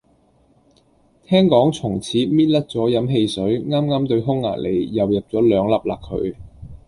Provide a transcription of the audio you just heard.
聽講從此搣甩咗飲汽水，啱啱對匈牙利又入兩粒嘞佢